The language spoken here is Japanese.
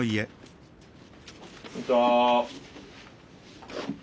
こんにちは。